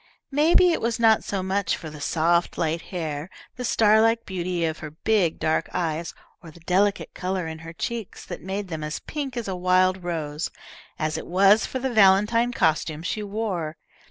Maybe it was not so much for the soft light hair, the star like beauty of her big dark eyes, or the delicate colour in her cheeks that made them as pink as a wild rose, as it was for the valentine costume she wore.